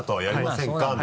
やりませんか？